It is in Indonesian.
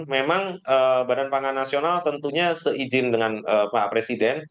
memang badan pangan nasional tentunya seizin dengan pak presiden